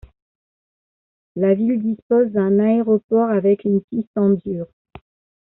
La ville dispose d'un aéroport avec une piste en dur.